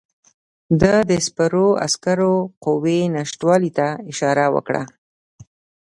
ده د سپرو عسکرو قوې نشتوالي ته اشاره وکړه.